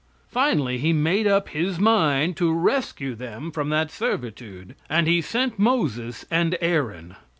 Finally He made up His mind to rescue them from that servitude, and He sent Moses and Aaron.